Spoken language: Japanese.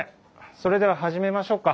それでは始めましょうか。